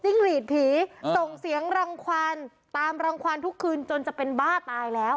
หลีดผีส่งเสียงรังควันตามรังความทุกคืนจนจะเป็นบ้าตายแล้ว